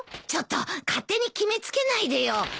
ちょっと勝手に決め付けないでよ。